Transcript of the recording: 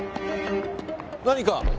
何か？